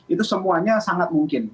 itu semuanya sangat mungkin